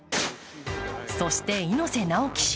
そして猪瀬直樹氏。